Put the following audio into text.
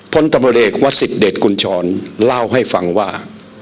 พลธรรมดิกวาสิทธิ์เดชคุณชรเล่าให้ฟังว่า